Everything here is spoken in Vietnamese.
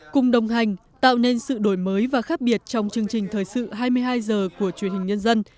cùng đồng hành tạo nên sự đổi mới và khác biệt trong chương trình thời sự hai mươi hai h của truyền hình nhân dân